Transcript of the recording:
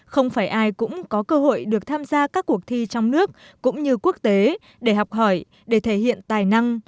không phải ai cũng có cơ hội được tham gia các cuộc thi trong nước cũng như quốc tế để học hỏi để thể hiện tài năng